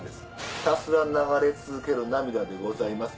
ひたすら流れ続ける涙でございます。